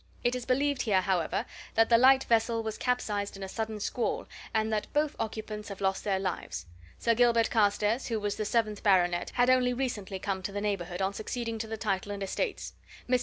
It is believed here, however, that the light vessel was capsized in a sudden squall, and that both occupants have lost their lives. Sir Gilbert Carstairs, who was the seventh baronet, had only recently come to the neighbourhood on succeeding to the title and estates. Mr.